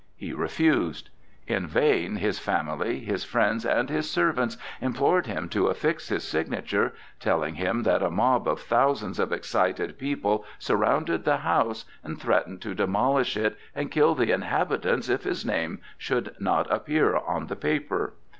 He refused. In vain his family, his friends, and his servants implored him to affix his signature, telling him that a mob of thousands of excited people surrounded the house and threatened to demolish it and kill the inhabitants if his name should not appear on the paper.